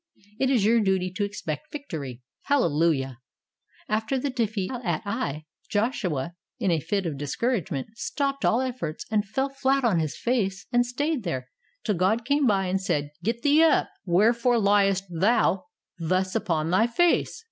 It is your duty to expect victory. Hallelujah! After the defeat at Ai, Joshua in a fit of discouragement stopped all efforts and fell flat on his face and stayed there till God came by and said, "Get thee up; where fore liest thou thus upon thy face?